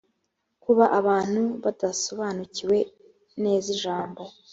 kuba abantu badasobanukiwe neza ijambo